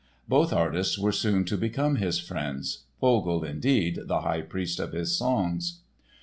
Both artists were soon to become his friends—Vogl, indeed, the high priest of his songs.